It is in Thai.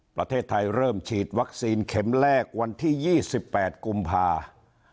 ประเทศไทยเริ่มฉีดวัคซีนเข็มแรกวันที่๒๘กุมภา